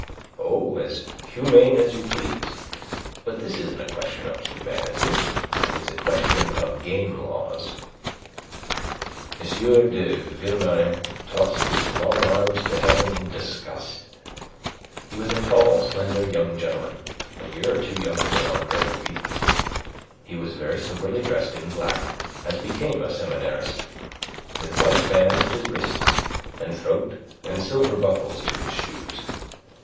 "Oh, as humane as you please. But this isn't a question of humanity. It's a question of game laws." M. de Vilmorin tossed his long arms to Heaven in disgust. He was a tall, slender young gentleman, a year or two younger than Andre Louis. He was very soberly dressed in black, as became a seminarist, with white bands at wrists and throat and silver buckles to his shoes.